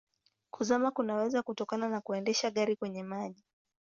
Kuzama kunaweza kutokana na kuendesha gari kwenye maji.